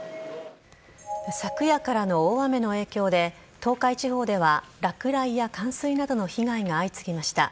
昨夜からの大雨の影響で東海地方では落雷や冠水などの被害が相次ぎました。